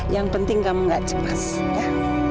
yang penting kamu gak cemas ya